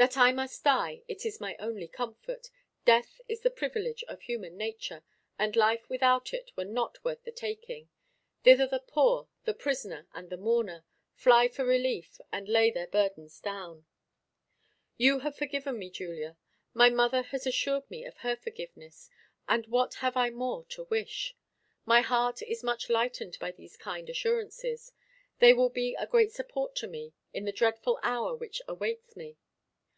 'That I must die, it is my only comfort; Death is the privilege of human nature, And life without it were not worth the taking. Thither the poor, the prisoner, and the mourner Fly for relief, and lay their burdens down.' You have forgiven me, Julia; my mother has assured me of her forgiveness; and what have I more to wish? My heart is much lightened by these kind assurances; they will be a great support to me in the dreadful hour which awaits me."